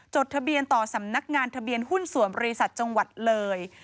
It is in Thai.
ทะเบียนต่อสำนักงานทะเบียนหุ้นส่วนบริษัทจังหวัดเลย